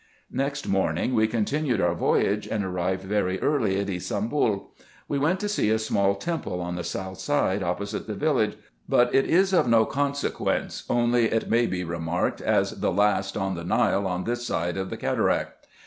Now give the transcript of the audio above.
Next morning we continued our voyage, and arrived very early at Ybsambul. I went to see a small temple on the south side, opposite the village ; but it is of no consecpience, only it may be remarked as the last on the Nile on this side of the cataract.